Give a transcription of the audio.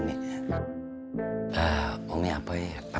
makasih ya allah